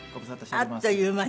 あっという間に。